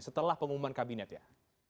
setelah pengumuman kabinet ya